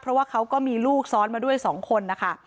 เพราะว่าเขาก็มีลูกซ้อนมาด้วย๒คนนะคะ